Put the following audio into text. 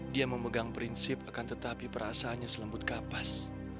dia memegang prinsip akan tetapi perasaannya selembut kapas